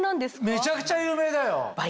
めちゃくちゃ有名だよ！